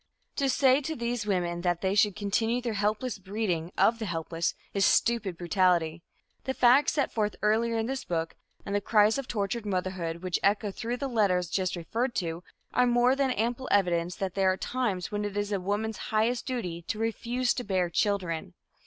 To say to these women that they should continue their helpless breeding of the helpless is stupid brutality. The facts set forth earlier in this book, and the cries of tortured motherhood which echo through the letters just referred to, are more than ample evidence that there are times when it is woman's highest duty to refuse to bear children.